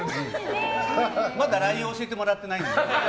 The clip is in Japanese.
まだＬＩＮＥ教えてもらってないので。